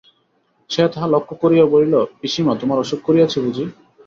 সে তাহা লক্ষ্য করিয়াও বলিল, পিসিমা, তোমার অসুখ করিয়াছে বুঝি?